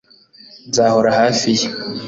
nzahora hafi ye